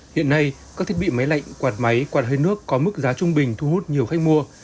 hiện nay các thiết bị máy lạnh quạt máy quạt hơi nước có mức giá trung bình thu hút nhiều khách mua